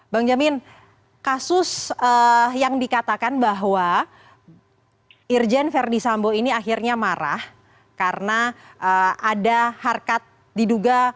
bang jamin kasus yang dikatakan bahwa irjen verdi sambo ini akhirnya marah karena ada harkat diduga